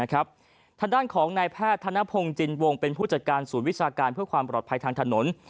ทางด้านของนายแพทย์ธนพงศ์จินวงเป็นผู้จัดการศูนย์วิชาการเพื่อความปลอดภัยทางถนน